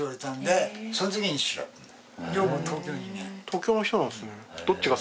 東京の人なんですね。